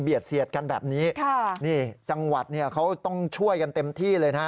เบียดเสียดกันแบบนี้นี่จังหวัดนี่เขาต้องช่วยกันเต็มที่เลยนะ